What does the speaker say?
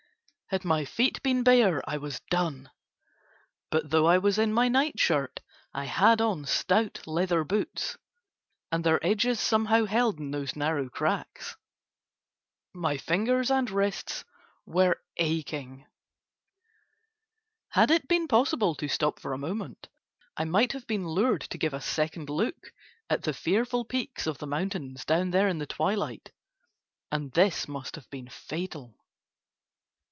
Had my feet been bare I was done, but though I was in my night shirt I had on stout leather boots, and their edges somehow held in those narrow cracks. My fingers and wrists were aching. Had it been possible to stop for a moment I might have been lured to give a second look at the fearful peaks of the mountains down there in the twilight, and this must have been fatal.